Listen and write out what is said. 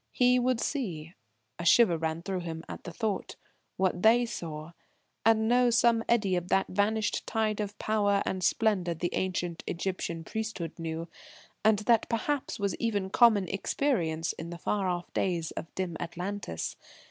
He would see a shiver ran through him at the thought what they saw, and know some eddy of that vanished tide of power and splendour the ancient Egyptian priesthood knew, and that perhaps was even common experience in the far off days of dim Atlantis.